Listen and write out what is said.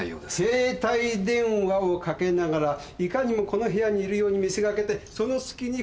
携帯電話をかけながらいかにもこの部屋にいるように見せかけてそのすきに殺しに行く。